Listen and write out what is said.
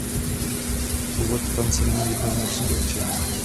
Původ tance není jednoznačně určen.